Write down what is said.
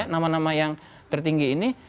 nama nama yang tertinggi ini